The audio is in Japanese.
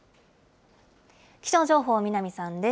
気象情報、南さんです。